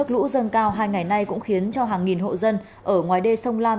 nước lũ dâng cao hai ngày nay cũng khiến cho hàng nghìn hộ dân ở ngoài đê sông lam